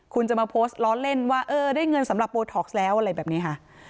คุณจะมาโพสต์ล้อเล่นว่าเออได้เงินสำหรับโบท็อกซ์แล้วอะไรแบบนี้ค่ะ